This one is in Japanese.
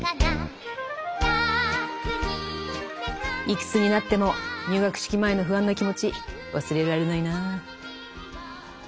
いくつになっても入学式前の不安な気持ち忘れられないなぁ。